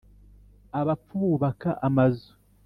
abapfu bubaka amazu,